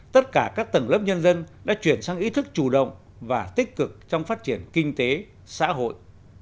tất cả các tầng lớp nhân dân đã chuyển sang ý thức chủ động và tích cực trong phát triển kinh tế xã hội